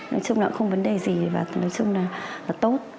nói chung là cũng không vấn đề gì và nói chung là tốt